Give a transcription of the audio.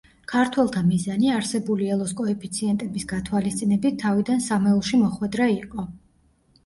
ქართველთა მიზანი, არსებული ელოს კოეფიციენტების გათვალისწინებით, თავიდან სამეულში მოხვედრა იყო.